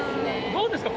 どうですか？